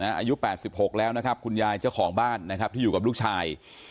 อายุ๘๖แล้วนะครับคุณยายเจ้าของบ้านนะครับที่อยู่กับลูกชาย